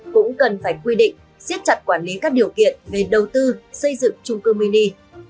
cũng cần phải quy định siết chặt quản lý các điều kiện về đầu tư xây dựng trung cư mini